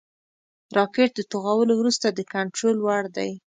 راکټ د توغولو وروسته د کنټرول وړ دی